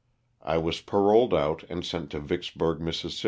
I was paroled out and sent to Vicksburg, Miss.